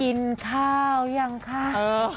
กินข้าวหรือยังคะ